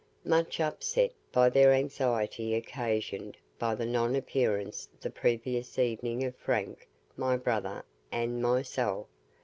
Much upset by their anxiety occasioned by the non appearance the previous evening of Frank, my brother, and myself.